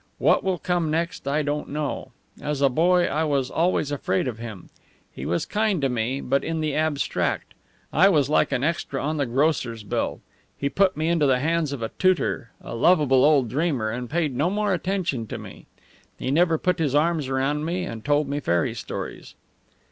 What will come next I don't know. As a boy I was always afraid of him. He was kind to me, but in the abstract. I was like an extra on the grocer's bill. He put me into the hands of a tutor a lovable old dreamer and paid no more attention to me. He never put his arms round me and told me fairy stories."